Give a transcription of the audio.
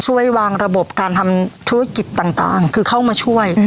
ช่วยวางระบบการทำธุรกิจต่างคือเข้ามาช่วย